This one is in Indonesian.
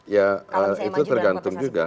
ya itu tergantung juga